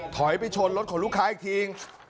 ถอยไปชนรถของลูกค้าอีกที